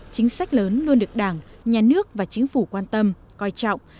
chính sách lớn luôn được đảng nhà nước và chính phủ quan tâm coi trọng